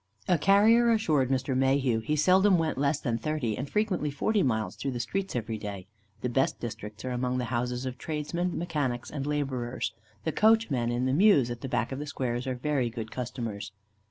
A carrier assured Mr. Mayhew he seldom went less than thirty, and frequently forty miles, through the streets every day. The best districts are among the houses of tradesmen, mechanics, and labourers. The coachmen in the mews at the back of the squares are very good customers.